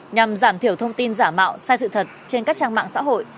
nhằm giảm thiểu thông tin giả mạo sai sự thật trên các trang mạng xã hội